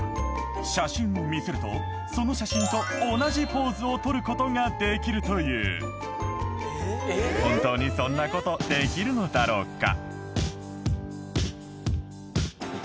写真を見せるとその写真と同じポーズをとることができるという本当にそんなことできるのだろうか？